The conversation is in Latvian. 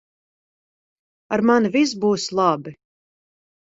Ar mani viss būs labi.